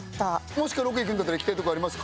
もしロケ行くんだったら行きたいとこありますか？